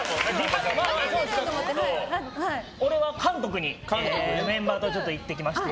俺は、韓国にメンバーと行ってきまして。